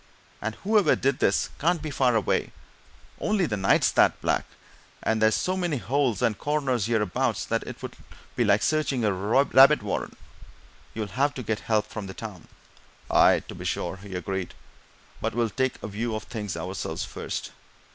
And whoever did this can't be far away only the night's that black, and there's so many holes and corners hereabouts that it would be like searching a rabbit warren you'll have to get help from the town." "Aye, to be sure!" he agreed. "But we'll take a view of things ourselves, first.